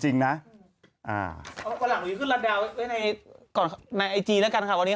ดีกว่าวันนี้ออกมานะครับว่าเป็นแฟนกันแล้วจริงหรือเปล่าสำหรับคู่นี้